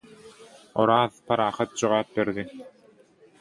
Oraz parahat jogap berdi: